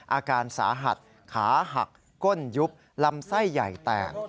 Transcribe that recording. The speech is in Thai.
อาการสาหัสขาหักก้นยุบลำไส้ใหญ่แตก